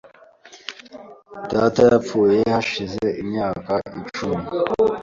Data yapfuye hashize imyaka icumi .